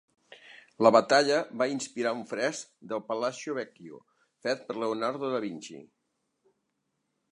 La batalla va inspirar un fresc del Palazzo Vecchio fet per Leonardo da Vinci.